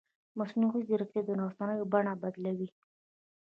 مصنوعي ځیرکتیا د رسنیو بڼه بدلوي.